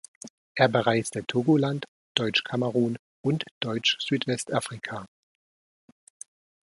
Er bereiste Togoland, Deutsch-Kamerun und Deutsch-Südwestafrika.